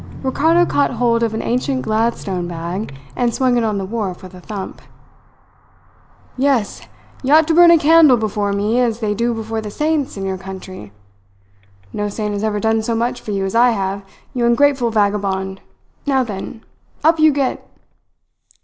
Ricardo caught hold of an ancient Gladstone bag and swung it on the wharf with a thump. "Yes! You ought to burn a candle before me as they do before the saints in your country. No saint has ever done so much for you as I have, you ungrateful vagabond. Now then! Up you get!"